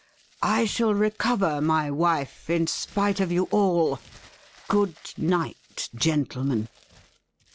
I shall recover my wife in spite of you all. Good night, gentlemen